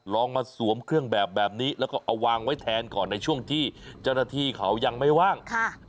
ลองมาสวมเครื่องแบบแบบนี้แล้วก็เอาวางไว้แทนก่อนในช่วงที่เจ้าหน้าที่เขายังไม่ว่าง